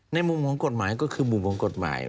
ในมุมของกฎหมายก็คือมุมของกฎหมาย